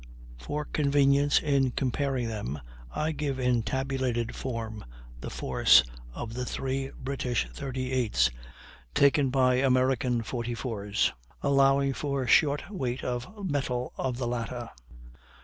For convenience in comparing them I give in tabulated form the force of the three British 38's taken by American 44's (allowing for short weight of metal of latter).